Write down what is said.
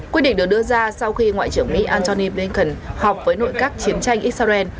quy định được đưa ra sau khi ngoại trưởng mỹ antony blinken học với nội các chiến tranh israel